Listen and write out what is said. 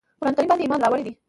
قرآن کریم باندي ایمان راوړی دی.